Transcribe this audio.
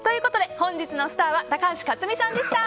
本日のスターは高橋克実さんでした。